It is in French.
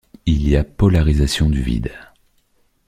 Il y a polarisation du vide.